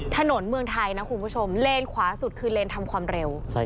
เมืองไทยนะคุณผู้ชมเลนขวาสุดคือเลนทำความเร็ว